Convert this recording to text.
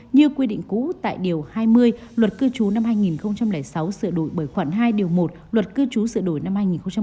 như quy định cũ tại điều hai mươi luật cư trú năm hai nghìn sáu sửa đổi bởi khoản hai điều một luật cư trú sửa đổi năm hai nghìn một mươi ba